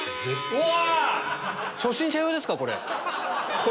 うわ！